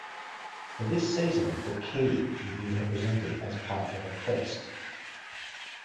For this season, the "key" would be represented as part of a crest.